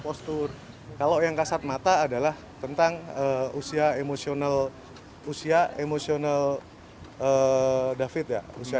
postur kalau yang kasat mata adalah tentang usia emosional usia emosional david ya usia